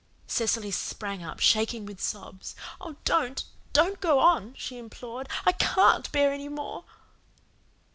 Cecily sprang up, shaking with sobs. "Oh, don't don't go on," she implored. "I CAN'T bear any more."